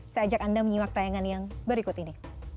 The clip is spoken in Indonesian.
saya ajak anda menyimak tayangan yang berikut ini